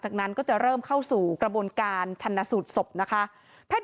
จากนั้นก็จะเริ่มเข้าสู่กระบวนการชันสูตรศพนะคะ